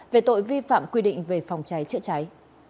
về tội vi phạm quy định về phòng cháy chữa cháy